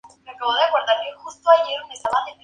Ha ganado una competición de baile.